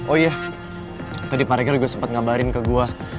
oh iya tadi pareger sempet ngabarin ke gue